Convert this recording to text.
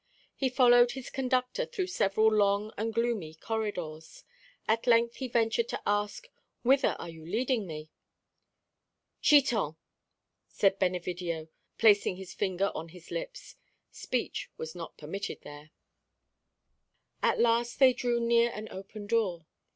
He followed his conductor through several long and gloomy corridors. At length he ventured to ask, "Whither are you leading me?" "Chiton!" said Benevidio, placing his finger on his lips. Speech was not permitted there. At last they drew near an open door.